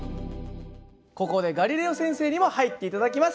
ここでガリレオ先生にも入って頂きます。